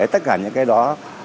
tất cả những cái đó